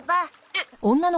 えっ！？